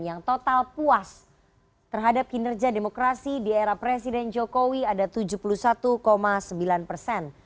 yang total puas terhadap kinerja demokrasi di era presiden jokowi ada tujuh puluh satu sembilan persen